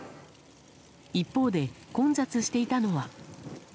一方で混雑していたのは。